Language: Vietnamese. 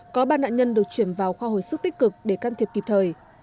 có ba nạn nhân được chuyển vào khoa hồi sức tích cực để can thiệp kịp thời